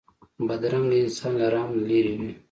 بدرنګه انسان له رحم نه لېرې وي